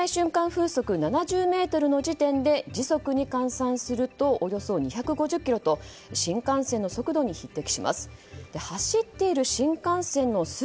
風速７０メートルの時点で時速に換算するとおよそ２５０キロと新幹線の速度に匹敵します。